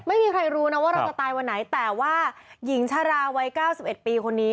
ไม่มีใครรู้นะว่าเราจะตายวันไหนแต่ว่าหญิงชาราวัย๙๑ปีคนนี้